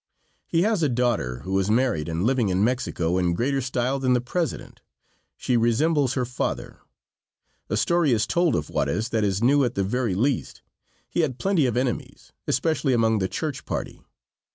He has a daughter who is married and living in Mexico in greater style than the president. She resembles her father. A story is told of Juarez that is new at the very least. He had plenty of enemies, especially among the church party.